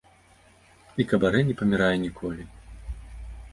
І кабарэ не памірае ніколі.